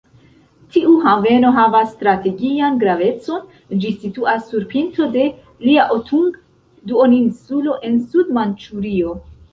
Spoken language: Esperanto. Tiu haveno havas strategian gravecon, ĝi situas sur pinto de Liaotung-duoninsulo, en Sud-Manĉurio.